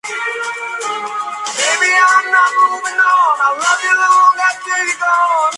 Publicaron cuatro álbumes de estudio.